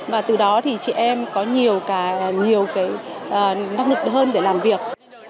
và từ đó thì chị em có nhiều cái năng lực hơn để làm việc